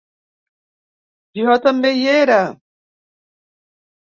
Jo també hi era...